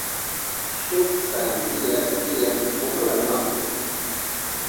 Shuk sandiya tiyan pula maku.